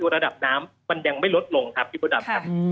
ก็คือระดับน้ำมันยังไม่ลดลงครับที่ระดับน้ำ